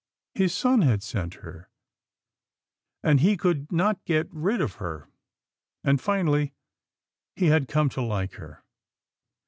His son had sent her, and he could not get rid of her, and finally he had come to like her.